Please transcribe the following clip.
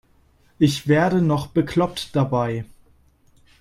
Ich werde noch bekloppt dabei.